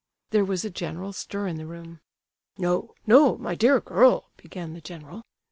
There was a general stir in the room. "No—no—my dear girl," began the general.